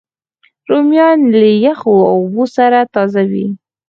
رومیان له یخو اوبو سره تازه وي